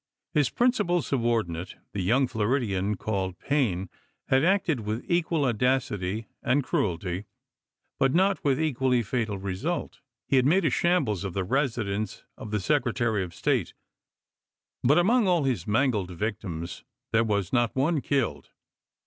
His principal subordinate, the young Floridian called Payne, had acted with equal audacity and cruelty, but not with equally fatal result. He had made a shambles of the residence of the Secretary of State, but among all his mangled victims there was not one killed.